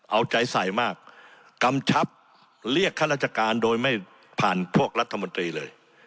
เอาใจใส่มากกำชับเรียกข้าราชการโดยไม่ผ่านพวกรัฐมนตรีเลย